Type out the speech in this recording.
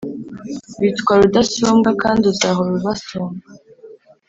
witwa rudasumbwa kandi uzahora ubasumba